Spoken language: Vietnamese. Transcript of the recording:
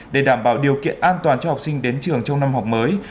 để đảm bảo điều kiện an toàn cho học sinh đến trường trong năm học mới